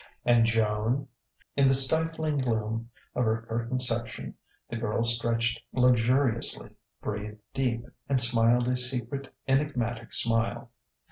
And Joan?... In the stifling gloom of her curtained section the girl stretched luxuriously, breathed deep, and smiled a secret, enigmatic smile.